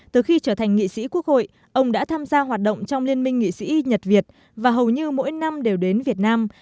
từ khi trở thành nghị sĩ quốc hội ông đã tham gia hoạt động trong liên minh nghị sĩ nhật việt và hầu như mỗi năm đều đến việt nam